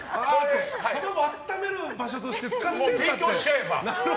卵あっためる場所として使ってるんだって。